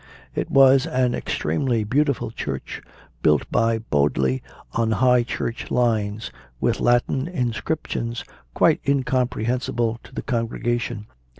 It was an extremely beautiful church, built by Bodley on High Church lines, with Latin inscrip tions quite incomprehensible to the congregation.